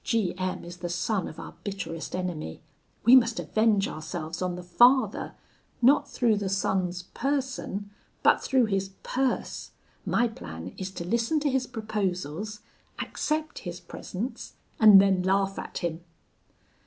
G M is the son of our bitterest enemy: we must avenge ourselves on the father, not through the son's person, but through his purse. My plan is to listen to his proposals, accept his presents, and then laugh at him.'